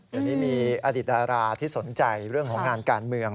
เดี๋ยวนี้มีอดิตดาราที่สนใจเรื่องของงานการเมือง